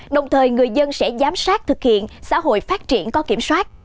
đồng thời người dân sẽ giám sát thực hiện xã hội phát triển có kiểm soát